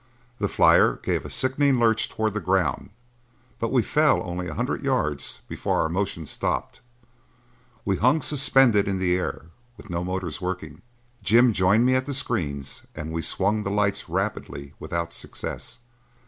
The flyer gave a sickening lurch toward the ground, but we fell only a hundred yards before our motion stopped. We hung suspended in the air with no motors working. Jim joined me at the screens and we swung the lights rapidly without success.